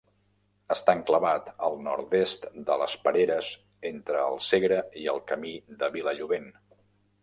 Està enclavat al nord-est de les Pereres entre el Segre i el Camí de Vilallobent.